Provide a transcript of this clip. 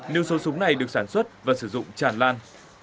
nếu số súng này được sản xuất và sử dụng tràn lan